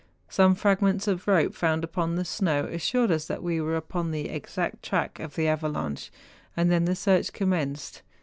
Some fragments of rope found upon the snow assured us that we were upon the exact track of the avalanche, and then the search com¬ menced.